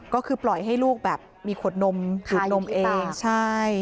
ก็คือปล่อยให้ลูกแบบมีขวดนมถือนมเองใช่